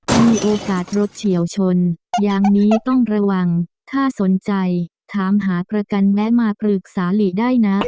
ถ้ามีโอกาสรถเฉียวชนอย่างนี้ต้องระวังถ้าสนใจถามหาประกันแวะมาปรึกษาหลีได้นะ